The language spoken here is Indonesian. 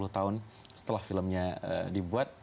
sepuluh dua puluh tahun setelah filmnya dibuat